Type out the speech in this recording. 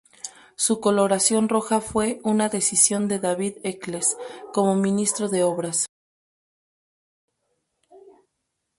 Su coloración roja fue una decisión de David Eccles, como ministro de obras.